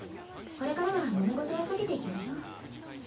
これからはもめ事は避けていきましょ。